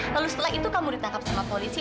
lalu setelah itu kamu ditangkap sama polisi